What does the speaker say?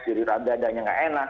jadi dadanya tidak enak